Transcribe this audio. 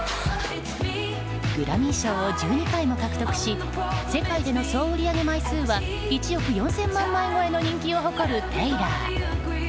グラミー賞を１２回も獲得し世界での総売り上げ枚数は１億４０００万枚超えの人気を誇るテイラー。